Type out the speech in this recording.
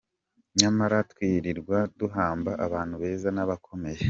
Nyamara twirirwa duhamba abantu beza n’abakomeye.